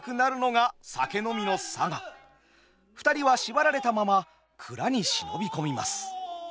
２人は縛られたまま蔵に忍び込みます。